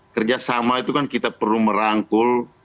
kerjasama itu kan kita perlu merangkul